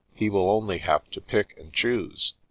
He will only have to pick and choose.